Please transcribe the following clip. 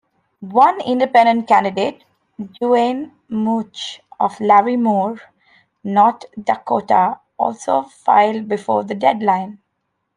One independent candidate, Duane Mutch of Larimore, North Dakota, also filed before the deadline.